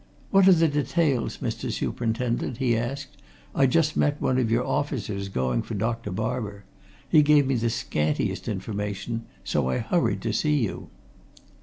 "What are the details, Mr. Superintendent?" he asked. "I just met one of your officers, going for Dr. Barber; he gave me the scantiest information, so I hurried to see you."